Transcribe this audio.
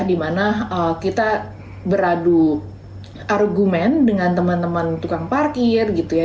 dimana kita beradu argumen dengan teman teman tukang parkir gitu ya